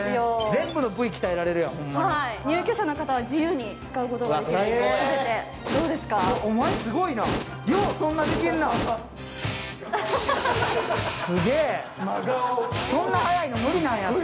全部の部位、鍛えられるやん入居者の方は自由に使うことができます。